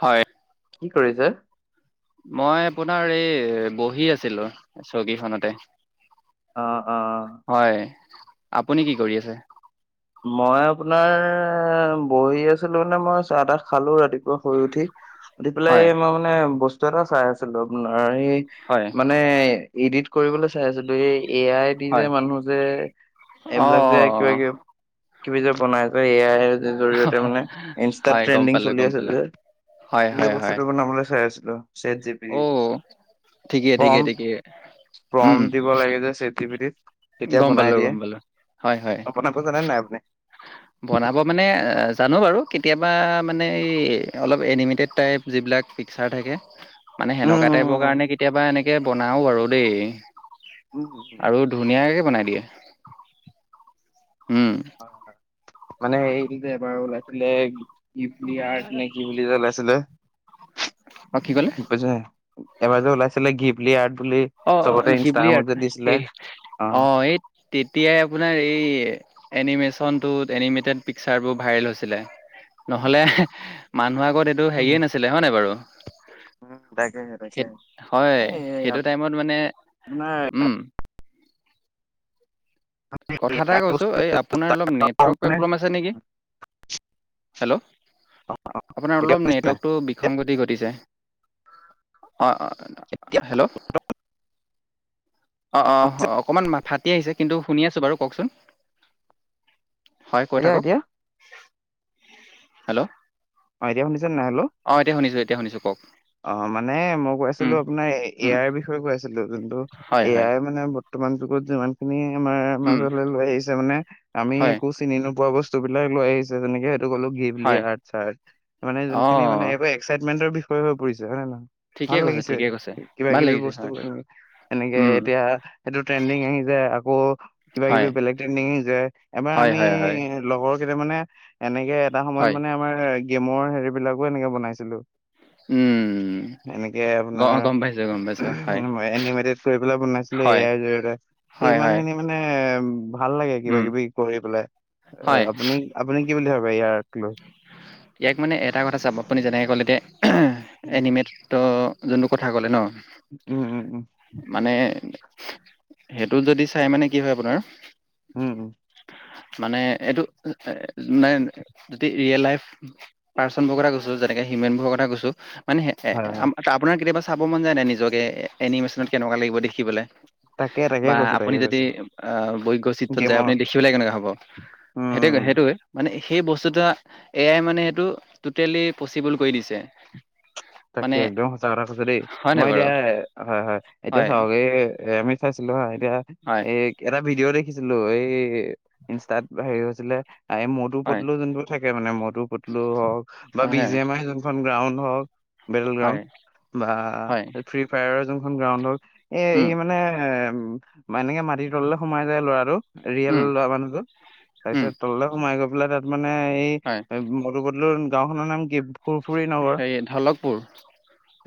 হয়। কি কৰিছে? মই আপোনাৰ এই বহি আছিলো চকীখনতে। অ অ। হয়, আপুনি কি কৰি আছে? মই আপোনাৰ বহি আছিলো মানে মই চাহ- তাহ খালো ৰাতি শুই উঠি, উঠি পেলাই হয়, এই মই মানে বস্তু এটা চাই আছিলো আপোনাৰ হয়, মানে এডিট কৰিবলে চাই আছিলো এই এ আই দি যে হয়। মানুহ যে অ', এইবিলাক যে অ', কিবা অ', কিবি, কিবি যে বনাই। এ আইৰ জৰিয়তে মানে ইনষ্টাত হয়, গম ট্ৰেণ্ডিং পালোঁ, চলি গম আছে পালোঁ। যে। হয়, সেই হয়, হয়। বস্তুটো বনাবলে চাই আছো। ছেট- জিপিতিত অ', ঠিকে, ঠিকে, প্ৰম্পট, ঠিকে। উম, প্ৰম্পট দিব লাগে যে চেট জিপিতিত তেতিয়া গম বনাই পালোঁ, দিয়ে গম পালোঁ। হয়, হয়। আপোনাকো জানে নাই আপুনি বনাব মানে অ জানো বাৰু কেতিয়াবা মানে এই অলপ এনিমিটেড টাইপ যিবিলাক পিকচাৰ থাকে মানে উম সেনেকুৱা উম টাইপৰ কাৰণে কেতিয়াবা এনেকে বনাও আৰু দেই উম উম আৰু ধুনীয়াকে বনাই দিয়ে উম, হয় মানে এই যোৰ লাগে ইপি আঠ নে কিপল জল আছিল অ', কি ক'লে? পছে এবাৰ যে ওলাইছিলে ঘপলি আ অ ঘিবলিহাত সেই অ এই তেতিয়াই আপোনাৰ এই এনিমেচন টো এনিমেটেড পিকচাৰ বোৰ ভাইৰেল হৈছিলে নহলে মানুহ আগত এইটো উম হেৰিয়ে নাছিলে হয় নাই বাৰু তাকেহে তাকে হয় এই সেইটো টাইমত মানে আপোনাৰ উম কথা এাই ইয়াৰ কৈছো বস্তু এই আপোনাৰ অলপ নেটৱৰ্ক মানে প্ৰব্লেম আছে নেকি হেল্ল' আপোনাৰ এতিয়া অলপ শুনিছে নাই নেটৱৰ্কতটো এতিয়া বিসংগতি ঘটিছে অ অ এতিয়া হেল্ল' অ অ অকমান ফাটি আহিছে কিন্তু শুনি আছো বাৰু কওকচোন হয় কৈ এতিয়া থাকক এতিয়া হেল্ল' অ এতিয়া শুনিছ নাই হেল্ল' অ এতিয়া শুনিছোঁ এতিয়া শুনিছোঁ কওক অ মানে মই কৈ আছিলো উম আপোনাৰ উম এয়াৰ বিষয়ে কৈ আছিলো যোনটো হয় হয় এয়াই মানে বৰ্তমান যুগত যিমান খিনি আমাৰ উম মাজলৈ লৈ আহিছে মানে আমি হয় একো চিনি নোপোৱা বস্তু বিলাক লৈ আহিছে যেনেকে 'লো গিল হয় মানে যোনখিনি মানে অঁ এইব এক্সাইটমেন্টৰ বিষয়ে হৈ পৰিছে হয় নে নহয় ঠিকে ভাল কৈছে লাগিছে ঠিকে কৈছে কিবা ভাল কিবি লাগিছে বস্তু হয় কৰি এনেকে উম এতিয়া সেইটো ট্ৰেণ্ডিং আহি যায় আকৌ কিবা হয় কিবি বেলেগ ট্ৰেইনিং যায় এবাৰ হয় আমি হয় হয় লগৰ মানে এনেকে এটা সময়ত হয় মানে আমাৰ গেমৰ হেৰি বিলাকো এনেকে বনাইছিলো উম এনেকে গ গম পাইছো গম পাইছো হয় আপোনাৰ মই এনিমেটেড কৰি পেলাই বনাইছিলো হয় এয়াইাৰ জৰিয়তে হয় হয় ইমান খিনি মানে ভাল লাগে কিবা উম কিবি কৰি পেলাই এ হয় আপুনি আপুনি কি বুলি ভাবে ইয়াক লৈ ইয়াক মানে এটা কথা চাব আপুনি যেনেকৈ ক'লে যে উম এনিমেট যোনটো কথা ক'লে ন উম উম উম মানে সেইটো যদি চাই মানে কি হয় আপোনাৰ উম উম মানে এইটো মানে যদি ৰিয়েল লাইফ পাৰ্চন বোৰ কথা কৈছো যেনেকে হিউমেন বোৰৰ কথা কৈছো মানে এ হয় হয় আপোনাৰ কেতিয়াবা চাব মন যায় নাই নিজকে এনিমেশ্যনত কেনেকুৱা লাগিব দেখিবলৈ তাকে তাকে বা কৈছো আপুনি তাকে যদি কৈছো আহ বৈজ্য় চিত্ৰত যায় গেমৰ আপুনি দেখিবলৈ কেনেকুৱা হ'ব সেইটোয়ে উম সেইটোয়ে মানে সেই বস্তুটো এ আাই মানে সেইটো ট'টেলি পচিবল কৰি দিছে তাকে মানে একদম সঁচা কথা কৈছো দেই হয় নাই মই বাৰু এতিয়া হয় হয় এতিয়া চাওগে এ আমি চাইছিলো হা এতিয়া হয় এই এটা ভিডিঅ' দেখিছিলো এই ইনষ্টাত হেৰি আছিল এই মটু হয় পটলু যোনোৰ থাকে মানে মটু পটলু হওক বা অ বি জি হয় এম আই যোনখন গ্ৰাউণ্ড হয় বা হয় ফ্ৰী ফৰ যোনখন গ্ৰাউণ্ড হক এ উম ই মানে এ এনেকে মাটিৰ তল সোমাই যায় ল'ৰাটো ৰিয়েল উম লৰা মানুহটোত তাৰ উম পিছত তললৈ সোমাই গৈ পেলাই তাত মানে এই হয় ম গাঁওখনৰ নাম ফুৰফুৰী নগৰ কুকুৰ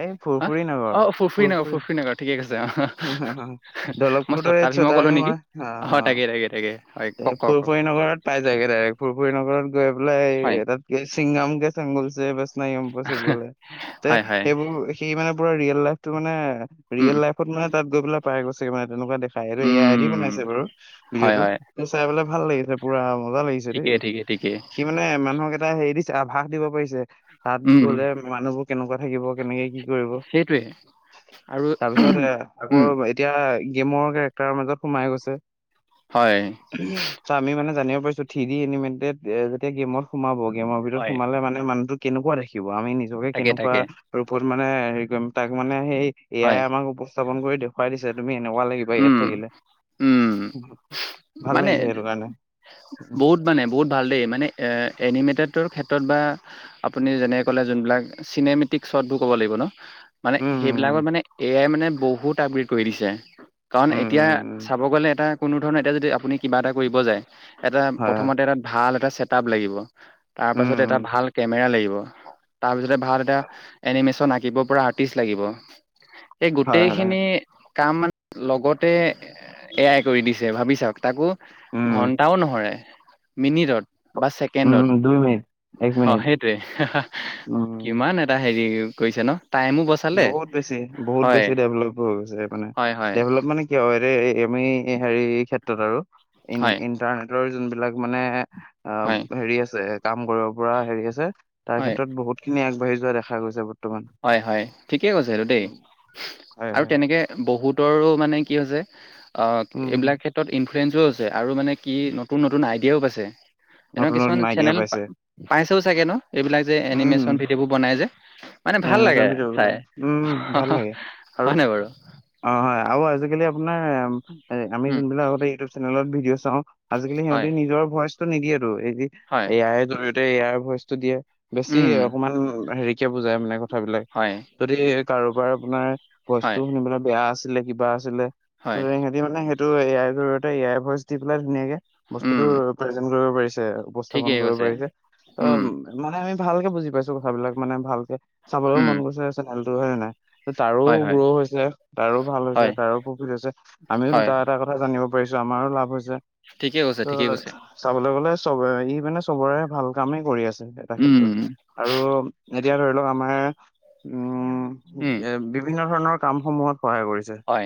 এই ফুৰফুৰ নগৰ ফুৰফুৰি নগৰ ঠিকে কৈছে অ মই ছটা দলকপুৰত ভীমই ক'লো নেকি মই অ তাকে তাকে তাকে হয় কওক কওক কওক ফুৰুৰৰি নগৰত পাই যায়গে ডাইৰেক্ুৰ শনগৰত গৈ হয় পেলাই তাতকে ছিংগাম কেে চাংগলছে বা স্নাইম পচিবলৈ তে হয় হয় সেইবোৰ সেই মানে পুৰা ৰিয়েল লাইফটো মানে উম ৰিয়েল লাইফত মানে তাত গৈ পেলাই পাই গৈছে মানে তেনেকুৱা দেখাই এইটো এ আই ড উম বনাই বাৰু ভিডিঅ' হয় হয় ত চাই পেলাই ভাল লাগিছে পুৰা মজা লাগিছে দেই ঠিকেই ঠিকেই ঠিকেই সি মানে মানুহক এটা হেৰি দিছে আভাস দিব পাৰিছে তাত উম গলে মানুহবোৰ কেনেকুৱা থাকিব কেনেকে কি কৰিব সেইটোৱে আৰু তাৰপিছত আকৌ উম এতিয়া গেমৰ কেৰেক্টাৰৰ মাজত সোমাই গৈছে হয়। ত আমি মানে জানিব থি এনিে যেতিয়া গেমত সোমাব গেমৰ ভিতৰত হয় সোমালে মানে মানুহ কেনেকুৱা দেখিব আমি নিজকে তাকে কেনেকুৱা তাকে ৰূপত মানে হেৰি কৰিম তাক মানে সেই এয়াই হয় আমাক উপস্থাপন কৰি দেখুৱাই দিছে তুমি নেকুৱ লাগিবা ইয়াত উম থাকিলে উম ভাল মানে লাগিছে সেইটো কাৰণে উম বহুত মানে বহুত ভাল দেই মানে এ এনিমেটেড ক্ষেত্ৰত বা আপুনি যেনে ক'লে যোনবিলাক চিনেমেটিক শ্বটবোৰ ক'ব লাগিব ন মানে উম সেইবিলাকত মানে এ আই মানে বহুত আপগ্ৰেড কৰি দিছে কাৰণ উম এতিয়া উম উম উম চাব গলে এটা কোনো ধৰণৰ এতিয়া যদি আপুনি কিবা এটা কৰিব যায় এটা হয় হয় প্ৰথমতে এটা ভাল এটা চেট আপ লাগিব তাৰ উম পাছতে এটা উম ভাল কেমেৰা লাগিব তাৰ পিছতে ভাল এটা এনিমেচন আঁকিব পৰা আৰ্টিষ্ট লাগিব এই হয় হয় গোটেইখিনি হয় কাম মানে লগতে এয়াই কৰি দিছে ভাবি চাওক তাকো উম ঘন্টাও নহৰে মিনিটত বা ছেকেণ্ডত উম দুই মিনিট এক অ মিনিট সেইটোৱে উম কিমান এটা হেৰি কৰিছে ন টাইমো বচালে বহুত বেছি বহুত হয় বেছি ডেভেলপ হৈ গৈছে মানে হয় হয় ডেভলপ মানে কিয় আমি হেৰি ক্ষেত্ৰত আৰু ই হয় ইণ্টাৰনেটৰ যোনবিলাক মানে অ হয় হেৰি আছে কাম কৰিব পৰা হেৰি আছে তাৰ হয় ক্ষেত্ৰত বহুত খিনি বাঢ়ি যোৱা দেখা গৈছে বৰ্তমান থঠিকে কৈছে সটো দেই উম, হয় আৰু হয় তেনেকে বহুতৰ মানে কি হৈছে অ উম উম এইবিলাক ক্ষেত্ৰত ইনফ্লুৱেঞ্চো আছে আৰু মানে কি নতুন নতুন আইডিয়াও পাইছে এনেক নতুন কিছুমান নতুন আইডিয়া চেনেল পাইছে পাইছেও চাগে ন এইবিলাক যে এনিমেচন ভিডিঅ' বোৰ বনাই যে মানে ভাল এমন লাগে ভিঅ চাই উ ভাল লাগে আৰু হয় নাই বাৰু? অ হয় হয় আৰু আজিকালি আপোনাৰ আমি উম, যোনবিলাক আগতে ইউটিউ চেনেলত ভিডি' চা হয়, আজিকিহঁতি নিজৰ ভইচটো নিদিয়ে এই হয়, ইয়াৰ জৰিয়তে ইয়াৰ ভইচটো দিয়ে বেছি উম, অকমান হেৰি িক বুজাই মানে কথাবিলাক হয়, যদি কাৰোবাৰ আপোনাৰ ভইচটো হয়, শুনিবলৈ বেয়া আছে আছিলে কিবা আছিলে হয়, সহঁতি মানে সেইটো A I জতে A I voice দি পেলাই ধুনীয়াকে বস্তুতো উম, প্ৰ কৰিব পাৰিছে উপস্থাপন ঠিকেই কৰিব কৈছে, পাৰিছে ত উম, মানে আমি ভালকে বুজি পাইছো। কথাবিলাক মানে ভালকে চাবলৈও উম, মন গৈছে চেনেলটো হয়ে নাই। তাৰো হয়, হয়, গ্ৰ' হৈছে। তাৰো ভাল হৈছে। হয়, তাৰো প্ৰফিট হৈছে। আমিও হয়, দুটা এটা কথা জানিব পাৰিছো আমাৰো লাভ হৈছে। ঠিকেই কৈছে, ত ঠিকেই কৈছে। চাবলৈ গলে চব ই, মানে চবৰে ভাল কামেই কৰি আছে। এটা উম, ক্ষেত্ৰত আৰু এতিয়া ধৰি লওক। আমাৰ উম উম, এ বিভিন্ন ধৰণৰ কামসমূহত সহায় কৰিছে। হয়,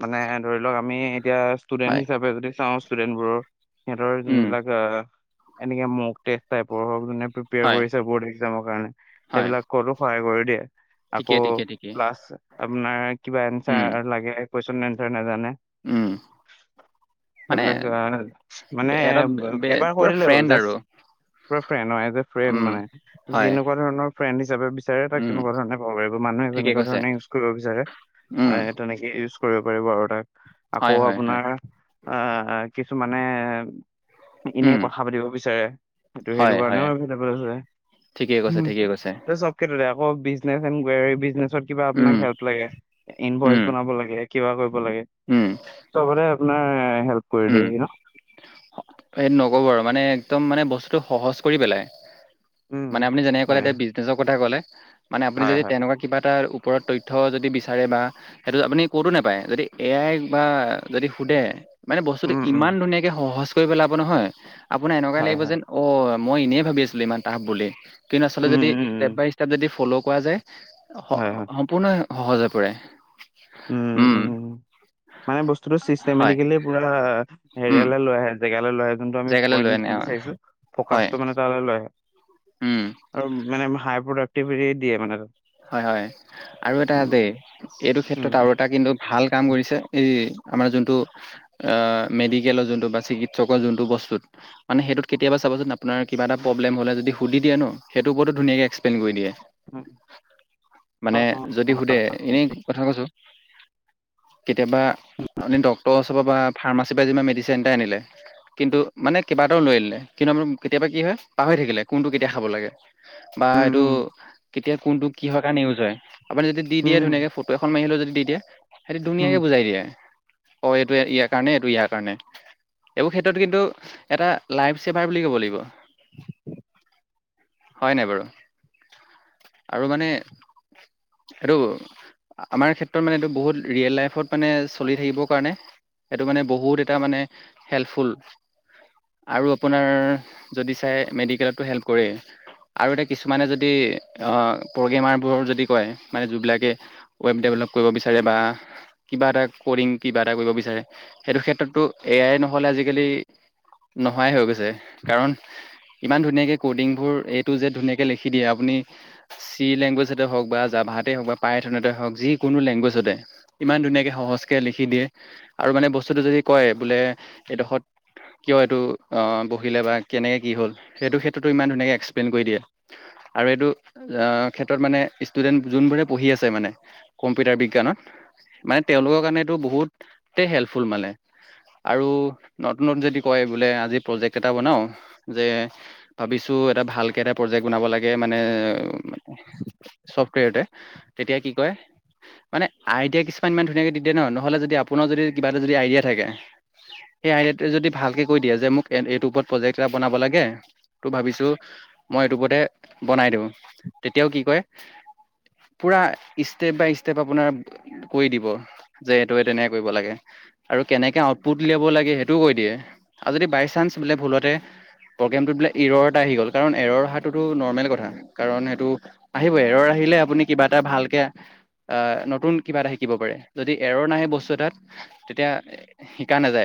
মানে ধৰি লওক আমি এতিয়া ষ্টুডেন্ট হয়, হিচাপে যদি চাওঁ ষ্টুডেন্ট বোৰৰ সিহঁতৰ উম, যোনবিলাক, এনেকে ম'গ জেক টাইপৰ হ'ক প্ৰিপয়াৰ হয়, কৰিছে বৰ্ড এক্সামৰ কাৰণে হয়, সেইবিলাক ক'তো সহায় কৰি দিয়ে। ঠিকে, আকৌ ঠিকে, ঠিকে, ক্লাচ আপোনাৰ কিবা, উম, এনচাৰ লাগে কুৱেশন এনছাৰ নাজানে। উম, মানে সেইবিলাক মানে অলপ এবাৰ পুৰা কৰি দলেই হ'ল ফ্ৰেণ্ড আৰু, জাষ্ট। পুৰা ফ্ৰেণ্ড এ, এ ফ্ৰেণ্ড উম, মানে। হয়, যেনেকুৱা ধৰণৰ ফ্ৰেণ্ড হিচাপে বিচাৰে তাক উম, তেনেকুৱা ধৰণে কব পাৰি। মানুহে ঠিকে যেনেকুৱা কৈছে, ধৰণে ইউচ্ কৰিব বিচাৰে, উম, মানে তেনেকৈ ইউচ কৰিব পাৰিব। আৰু তাক হয়, আকৌ হয়, হয়, আপোনাৰ আহ কিছুমানে এনেই উম, কথা পাতিব বিচাৰে সটো সেইটো হয়, হয়, কাৰণেও এভেইলেবল আছে। ঠিকেই কৈছে, উম, ঠিকেই কৈছে, চব ক্ষেত্ৰতে। আকৌ বিজনেজ এনে কিবা উম, আপোনাক হেল্প লাগে, ইনভইচ উম, বনাব লাগে কিবা কৰিব লাগে। উম, পোৰা হেল্প কৰি উম, দিয়েহি ন। সেইটো নকব, আৰু মানে একদম মানে বস্তুতটো সহজ কৰি পেলাই। উম মানে আপুনি যেনেকে ক'লে হয় এতিয়া বিজনেচৰ কথা ক'লে। মানে আপুনি হয় যদি হয় তেনেকুৱা কিবা এটা ওপৰত তথ্য যদি বিচাৰে বা সেইটো আপুনি ক'তো নাপায়। যদি এ আই বা যদি সোধে মানে বস্তুতটো উম উম ইমান ধুনীয়াকে সহজ কৰি পেলাব নহয়। আপোনাৰ এনেকুৱা হয় লাগিব হয় যেন অ মই এনেই ভাবি আছিলো ইমান টাফ বুলি। কিন্তু আচলতে উম যদি উম ষ্টেপ উম বাই ষ্টেপ যদি ফ'ল' কৰা যায়। হয় হয় সম্পূৰ্ণ সহজ হৈ পৰে। উম। মানে বস্তুটো হয় চিষ্টেমেটিকেলি পুৰা উম হেৰিয়ালে লৈ আহে জেগাত। লে যোনটো আমি জেগালৈ লৈ আনে পইণ্ট বিচাৰছো। হয় ফকাচটো মানে তালৈ লৈ আহে। উম আৰু মানে হাই প্ৰডাক্টিভিটি দিয়ে মানে তাত। হয়, হয়। আৰু এটা উম, দেই এইটো উম, ক্ষেত্ৰত আৰু এটা কিন্তু, ভাল কাম কৰিছে। এই আমাৰ যোনটো অ, মেডিকেলৰ যোনটো, বা চিকিৎসকৰ যোনতটো, বস্তু বস্তুত। মানে সেইটোত কেতিয়াবা চাবচোন আপোনৰ কিবা এটা প্ৰব্লেম হ'লে যদি, সুধি দিয়ে ন সেইটো ওপৰতো ধুনাকৈ এক্সপ্লৈন কৰি দিয়ে। উম। মানে উম, যদি সোধে উম, এনেই কথা কৈছো। কেতিয়াবা আপুনি ডক্টৰ ওচৰৰ পৰা বা ফাৰ্মাচীৰ পৰা যি মেডিচিন এটা আনিলে কিন্তু মানে কেইবাটাও লৈ আনিলে। কিন্তু আমাৰ কেতিয়াবা কি হয় পাহৰি থাকিলে কোনটো কেতিয়া খাব লাগে। বা এইটো উম, উম, কেতিয়া কোনটো কিহৰ কাৰণে ইউজ হয়। আপুনি যদি দি দিয়ে উম, ধুনীয়াকে ফটো এখন মাৰিলেও যদি দি দিয়ে সেইটো উম, ধুনীয়াকে বুজাই দিয়ে। অ, এইটো ইয়াৰ কাৰণে, এইটো ইয়াৰ কাৰণে। এইবোৰ ক্ষেত্ৰত কিন্তু এটা লাইফছেভাৰ বুলি ক'ব লাগিব। হয় নাই বাৰু? আৰু মানে এইটো, আমাৰ ক্ষেত্ৰত মানে এইটো বহুত ৰিয়েল লাইফত মানে চলি থাকিব কাৰণে এইটো মানে বহুত এটা মানে হেল্পফুল। আৰু আপোনাৰ যদি চাই মেডিকেলটো হেল্প কৰে। আৰু এতিয়া কিছুমানে যদি অ, প্ৰগ্ৰেমাৰবোৰৰ যদি কয় মানে যিবিলাকে ৱেব ডেভেলপ কৰিব বিচাৰে, বা কিবা এটা কৰিম, কিবা এটা কৰিব বিচাৰে সেইটো ক্ষেত্ৰতো এ আই নহলে আজিকালি নহাই হৈ গৈছে। কাৰণ ইমান ধুনীয়াকে কডিংবোৰ, এ টু জেড ধুনীয়াকে লিখি দিয়ে। আপুনি চি লেংগুৱেজতে হওক বা, জাভাতে হওক, বা পাৰে থানতে হওক যিকোনো লেংগুৱেজতে ইমান ধুনীয়াকে হওক সহজকে লিখি দিয়ে আৰু মানে বস্তুটো যদি কয় বোলে এইডখত কিয় এইটো বহিলে বা কেনেকে কি হ'ল এইটো ক্ষেত্ৰতো ইমান ধুনীয়াকে এক্সপ্লেইন কৰি দিয়ে আৰু এইটো আহ ক্ষেত্ৰত মানে ষ্টুডেণ্ট যোনবোৰে পঢ়ি আছে মানে কম্পিউটাৰ বিজ্ঞানত মানে তেওঁলোকৰ কাৰণেটো বহুতে হেল্পফুল মানে আৰু নতুন নতুন যদি কয় বোলে আজি প্ৰজেক্ট এটা বনাও যে ভাবিছো তটো এটা ভালকৈ এটা প্ৰজেক্ট বনাব লাগে মানে [unintelligible] ছফ্টৱেৰতে তেতিয়া কি কয় মানে আইডিয়া কিছুমান ইমান ধুনীয়াকে দি দিয়ে ন নহ'লে যদি আপোনাৰ যদি কিবা এটা যদি আইডিয়া থাকে সেই আইডে যদি ভালকে কৈ দিয়ে যে মোক এইটোৰ ওপৰত প্ৰজেক্ট এটা বনাব লাগে ত ভাবিছো মই ইউটিউবতে বনাই দিওঁ তেতিয়াও কি কয় পুৰা ষ্টেপ বাই ষ্টেপ আপোনাৰ কৰিৈ দিব যে এইটোৱে তেনেে কৰিব লাগে আৰু কেনেকে আউটপুট উলিয়াব লাগে সেইটোও কৈ দিয়ে আৰু যদি বাই চান্স বোলে ভুলতে প্ৰগ্ৰেমটোত বাক ইৰৰ এটা আহি গ'ল কাৰণ এৰৰ অহাটোো নৰ্মেল কথা কাৰণ স টো আহিব এৰৰ আহিলে আপুনি কিবা এটা ভালকে আহ নতুন কিবা এটা শিকিব পাৰে যদি এৰ নাহে বস্তু এটাত তেতিয়া শিকা নাযায়